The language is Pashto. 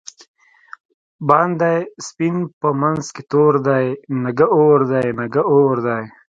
باندی سپین په منځ کی تور دۍ، نگه اور دی نگه اور دی